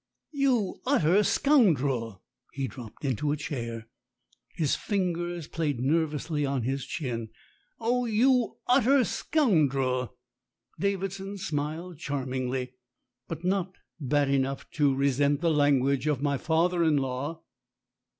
"You utter scoundrel!" He dropped into a chair; his ringers played nervously on his chin. "Oh, you utter scoundrel!" Davidson smiled charmingly. "But not bad enough to resent the language of my father in law."